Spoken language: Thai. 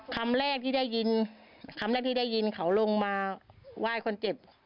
คำแรกที่ได้ยินคำแรกที่ได้ยินเขาลงมาไหว้คนเจ็บ